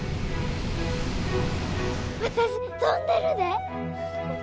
私飛んでるで！